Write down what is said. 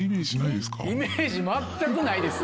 イメージ全くないです。